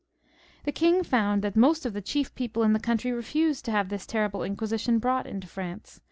The king found that most of the chief people in the country refused to have this terrible Inquisi tion brought into France.